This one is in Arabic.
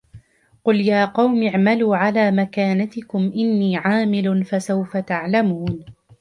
قل يا قوم اعملوا على مكانتكم إني عامل فسوف تعلمون